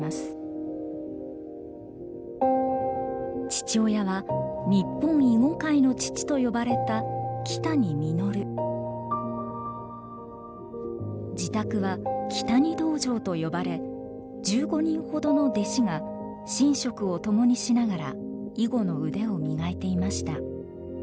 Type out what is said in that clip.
父親は「日本囲碁界の父」と呼ばれた自宅は木谷道場と呼ばれ１５人ほどの弟子が寝食を共にしながら囲碁の腕を磨いていました。